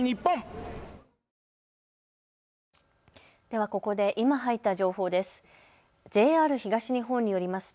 ではここで今入った情報です。